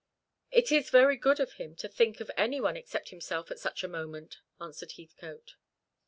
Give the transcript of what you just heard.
"It is very good of him to think of any one except himself at such a moment," answered Heathcote.